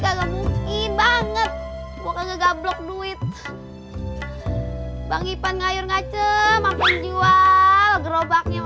kagak mungkin banget bukan gablok duit bang ipan ngayur ngaceh mampen jual gerobaknya